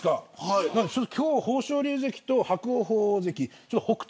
今日は豊昇龍関と伯桜鵬関で北勝